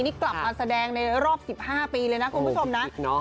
นี่กลับมาแสดงในรอบสิบห้าปีเลยนะคุณผู้ชมนะโอ้พีกิศเนอะ